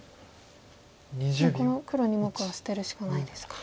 もうこの黒２目は捨てるしかないですか。